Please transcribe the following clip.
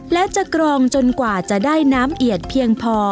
และจะกรองจนกว่าจะได้น้ำเอียดเพียงพอ